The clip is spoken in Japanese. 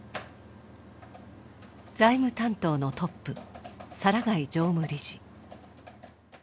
財務担当のトップ皿海常務理事。